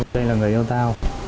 đây là người yêu tao